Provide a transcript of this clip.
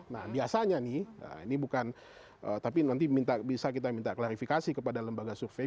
nah biasanya nih ini bukan tapi nanti bisa kita minta klarifikasi kepada lembaga survei